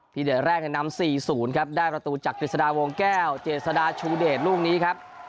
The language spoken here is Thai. เดชแรกนำ๔๐ครับได้ประตูจากกฤษฎาวงแก้วเจษฎาชูเดชลูกนี้ครับ